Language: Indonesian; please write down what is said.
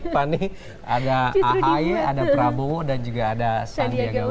panini ada ahy prabowo dan juga ada sandiya gauno